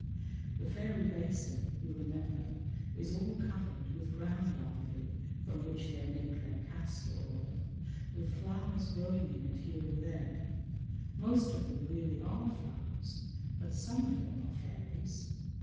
The Fairy Basin, you remember, is all covered with ground ivy (from which they make their castor oil), with flowers growing in it here and there. Most of them really are flowers, but some of them are fairies.